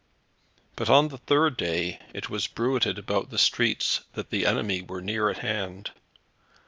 But on the third day, it was bruited about the streets, that the enemy were near at hand.